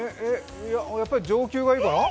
やっぱり上級がいいかな。